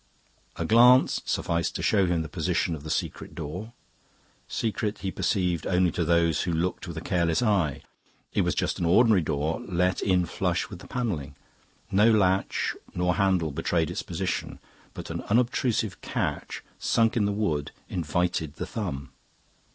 A glance sufficed to show him the position of the secret door secret, he perceived, only to those who looked with a careless eye. It was just an ordinary door let in flush with the panelling. No latch nor handle betrayed its position, but an unobtrusive catch sunk in the wood invited the thumb.